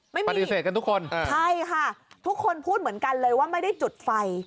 ไม่มีใช่ค่ะทุกคนพูดเหมือนกันเลยว่าไม่ได้จุดไฟ